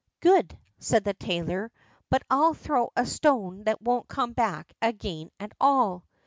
"Good!" said the tailor; "but I'll throw a stone that won't come back again at all."